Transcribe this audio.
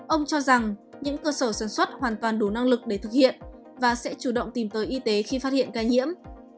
ông cho rằng những cơ sở sản xuất hoàn toàn đủ năng lực để thực hiện và sẽ chủ động tìm tới y tế khi phát hiện ca nhiễm